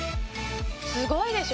すごいでしょ？